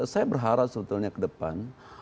saya berharap sebetulnya ke depan